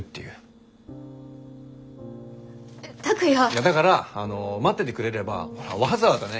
いやだから待っててくれればわざわざね